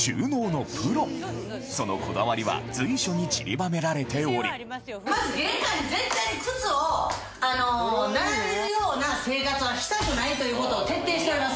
そのこだわりは随所に散りばめられておりまず玄関に絶対に靴を並べるような生活はしたくないということを徹底しております。